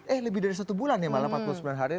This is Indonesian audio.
eh lebih dari satu bulan ya malah empat puluh sembilan hari